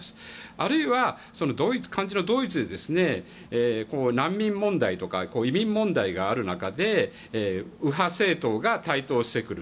あるいは、ドイツで難民問題とか移民問題がある中で右派政党が台頭してくる。